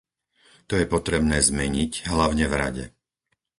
To je potrebné zmeniť, hlavne v Rade.